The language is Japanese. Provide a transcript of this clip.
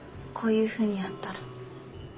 こういうふうに会ったら。